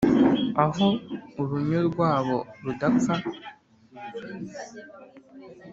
aho urunyo rwabo rudapfa.